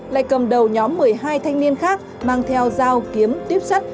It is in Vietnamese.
lại cầm đầu nhóm một mươi hai thanh niên khác mang theo dao kiếm tuyếp sắt